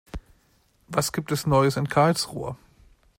Was gibt es Neues in Karlsruhe?